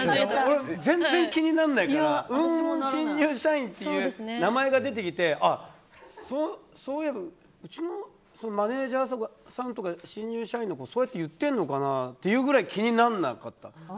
全然、気になんないからうんうん新入社員って名前が出てきて、そういえばうちのマネジャーさんとか新入社員の子そうやって言ってるのかなっていうぐらい気にならなかった。